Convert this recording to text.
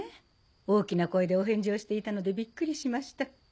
大きな声でお返事をしていたのでびっくりしました。